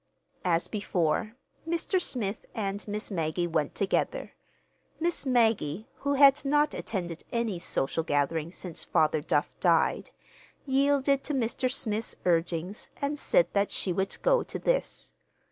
As before, Mr. Smith and Miss Maggie went together. Miss Maggie, who had not attended any social gathering since Father Duff died, yielded to Mr. Smith's urgings and said that she would go to this.